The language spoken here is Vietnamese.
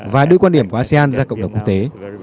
và đưa quan điểm của asean ra cộng đồng quốc tế